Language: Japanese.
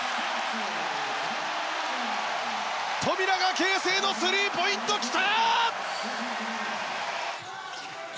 富永啓生のスリーポイントきた！